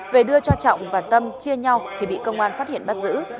về đưa cho trọng và tâm chia nhau thì bị công an phát hiện bắt giữ